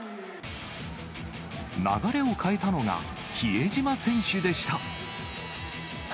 流れを変えたのが、比江島選手でした。